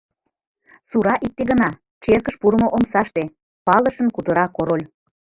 — Сура икте гына — черкыш пурымо омсаште, — палышын кутыра Король.